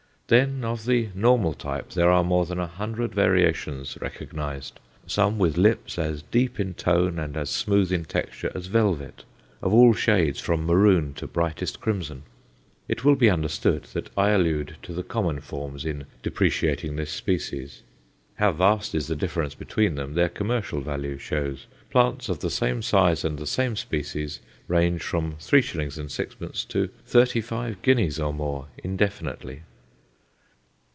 Then, of the normal type there are more than a hundred variations recognized, some with lips as deep in tone, and as smooth in texture, as velvet, of all shades from maroon to brightest crimson. It will be understood that I allude to the common forms in depreciating this species. How vast is the difference between them, their commercial value shows. Plants of the same size and the same species range from 3s. 6d. to 35 guineas, or more indefinitely.